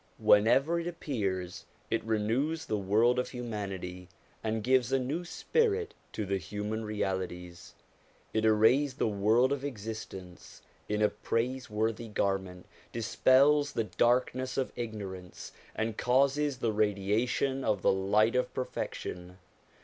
Whenever it 166 SOME ANSWERED QUESTIONS appears, it renews the world of humanity and gives a new spirit to the human realities : it arrays the world of existence in a praiseworthy garment, dispels the darkness of ignorance, and causes the radiation of the light of perfections.